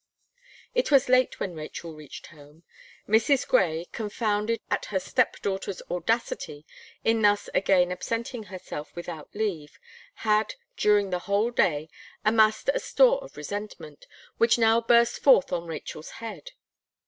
It was late when Rachel reached home. Mrs. Gray, confounded at her step daughter's audacity in thus again absenting herself without leave, had, during the whole day, amassed a store of resentment, which now burst forth on Rachel's head.